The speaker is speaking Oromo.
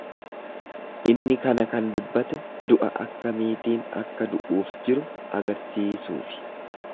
Inni kana kan dubbate du’a akkamiitiin akka du’uuf jiru argisiisuufi.